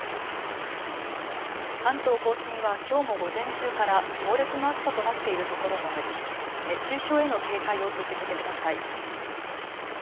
関東甲信はきょうも午前中から猛烈な暑さとなっている所もあり熱中症への警戒を続けてください。